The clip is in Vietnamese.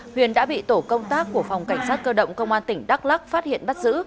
huyền đã bị tổ công tác của phòng cảnh sát cơ động công an tỉnh đắk lắc phát hiện bắt giữ